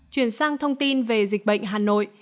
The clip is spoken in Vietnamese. chuyển sang thông tin về dịch bệnh hà nội